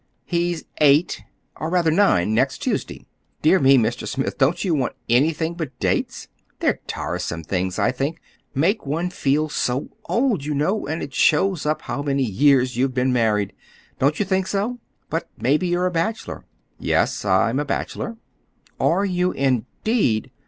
"He's eight—or rather nine, next Tuesday. Dear me, Mr. Smith, don't you want anything but dates? They're tiresome things, I think,—make one feel so old, you know, and it shows up how many years you've been married. Don't you think so? But maybe you're a bachelor." "Yes, I'm a bachelor." "Are you, indeed?